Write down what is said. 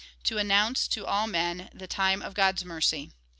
To announce to all men the time of Gdd's mercy."